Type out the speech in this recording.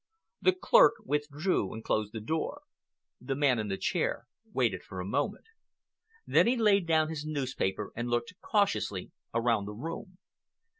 The clerk withdrew and closed the door. The man in the chair waited for a moment. Then he laid down his newspaper and looked cautiously around the room.